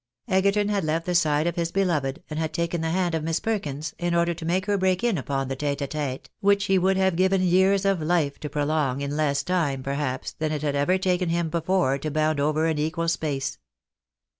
Egerton had left the side of his beloved, and had taken the hand 328 THE BAKNABYS IN AMERICA. of Miss Perkins, in order to make her break in upon the tete a tete, •which he would have given years of Kfe to prolong, in less time, per haps, than it had ever taken him before to bound over an equal space.